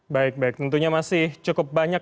baik baik tentunya masih cukup banyak